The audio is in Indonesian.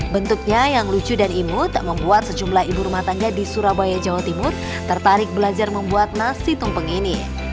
bentuknya yang lucu dan imut membuat sejumlah ibu rumah tangga di surabaya jawa timur tertarik belajar membuat nasi tumpeng ini